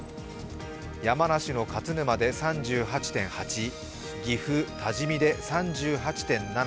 山梨の勝沼で３８．８岐阜・多治見で３８．７。